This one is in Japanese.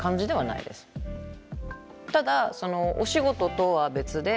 ただお仕事とは別で。